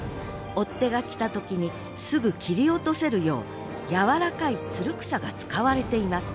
追っ手が来た時にすぐ切り落とせるよう軟らかいつる草が使われています。